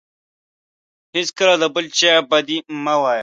هیڅکله د بل چا بدي مه غواړه.